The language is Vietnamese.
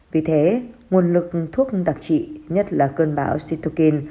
vì thế nguồn lực thuốc đặc trị nhất là cơn bão situkin